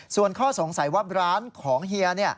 ส่วนข้อสงสัยว่าร้านของเฮีย